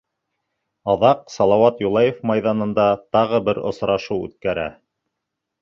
Аҙаҡ Салауат Юлаев майҙанында тағы бер осрашыу үткәрә.